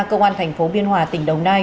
công an thành phố biên hòa tỉnh đồng nai